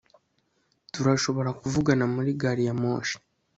Turashobora kuvugana muri gari ya moshi